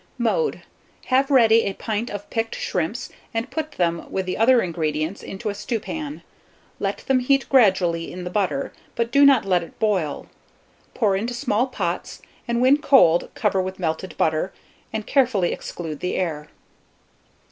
Mode. Have ready a pint of picked shrimps, and put them, with the other ingredients, into a stewpan; let them heat gradually in the butter, but do not let it boil. Pour into small pots, and when cold, cover with melted butter, and carefully exclude the air.